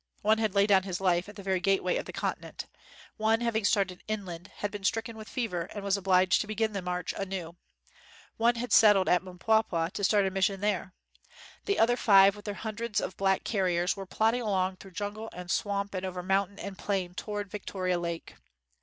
One had laid down his life at the very gateway of the continent. One having started inland had been stricken with fever and was obliged to begin the march anew. One had settled at Mpwapwa to start a mission there. The other five with their hundreds of black car riers were plodding along through jungle 47 WHITE MAN OF WORK and swamp and over mountain and plain toward Victoria Lake.